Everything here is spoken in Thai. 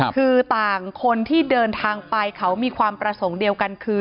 คือต่างคนที่เดินทางไปเขามีความประสงค์เดียวกันคือ